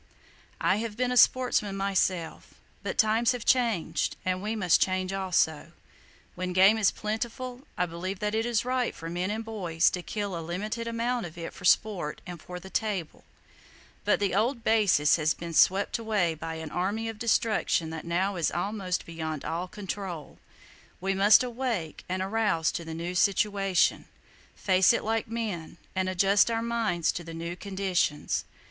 I have been a sportsman myself; but times have changed, and we must change also. When game was plentiful, I believed that it was right for men and boys to kill a limited amount of it for sport and for the table. But the old basis has been swept away by an Army of Destruction that now is almost beyond all control. We must awake, and arouse to the new situation, face it like men, and adjust our minds to the new conditions.